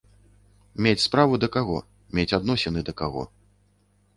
Мець справу да каго, мець адносіны да каго.